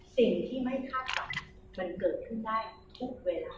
สิ่งที่ไม่คาดต่ำมันเกิดขึ้นได้ทุกเวลาทุกชัย